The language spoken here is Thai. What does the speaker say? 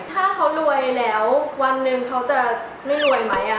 ถ้าเขารวยแล้ววันหนึ่งเขาจะไม่รวยไหม